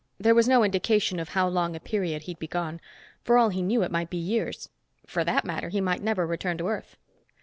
There was no indication of how long a period he'd be gone. For all he knew, it might be years. For that matter, he might never return to Earth.